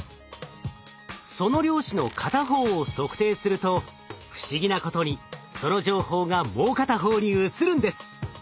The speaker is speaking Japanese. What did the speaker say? その量子の片方を測定すると不思議なことにその情報がもう片方に移るんです。